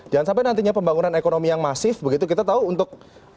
jangan sampai nantinya pembangunan ekonomi yang masif begitu kita tahu untuk